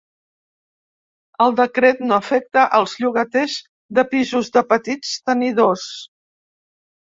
El decret no afecta els llogaters de pisos de petits tenidors.